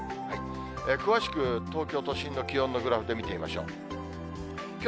詳しく東京都心の気温のグラフで見てみましょう。